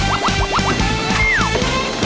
ออบจมหาสนุก